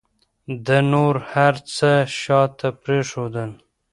ده نور هر څه شاته پرېښودل.